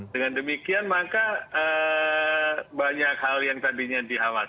dengan demikian maka banyak hal yang tadinya dikhawatir